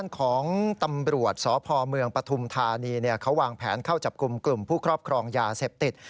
กลุ่มผู้ครอบครองยาเสพติด